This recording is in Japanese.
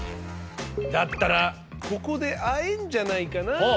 だったらここで会えんじゃないかな？